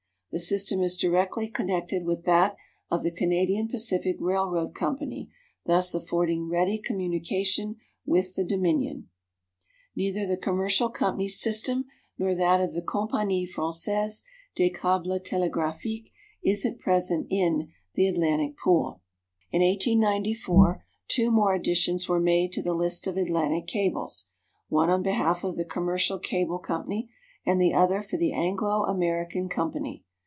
The system is directly connected with that of the Canadian Pacific Railroad Company, thus affording ready communication with the Dominion. Neither the "Commercial" Company's system nor that of the Compagnie Française des Câbles Télégraphiques is at present in the "Atlantic Pool." In 1894 yet two more additions were made to the list of Atlantic cables one on behalf of the Commercial Cable Company, and the other for the "Anglo American" Company.